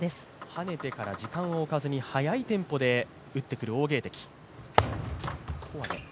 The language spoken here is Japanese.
はねてから時間をおかずに速いテンポで打ってくる王ゲイ迪。